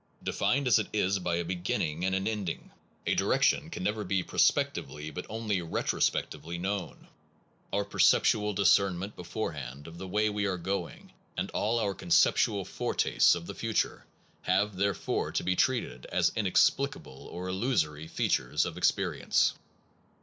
Defined as it is by a beginning and an ending, a direction can never be prospectively but only retrospectively known. Our percept 88 PERCEPT AND CONCEPT ual discernment beforehand of the way we are going, and all our dim foretastes of the future, have therefore to be treated as inexplicable or illusory features of experience.